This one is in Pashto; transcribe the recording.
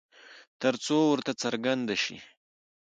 ترڅو ورته څرگنده شي